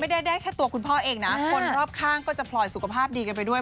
ได้ได้แค่ตัวคุณพ่อเองนะคนรอบข้างก็จะพลอยสุขภาพดีกันไปด้วย